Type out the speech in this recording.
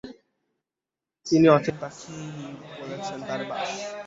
তিনি অচিন পাখি বলেছেন, তার বাস।